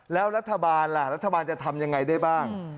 แล้วรัฐบาลล่ะรัฐบาลจะทำยังไงได้บ้าง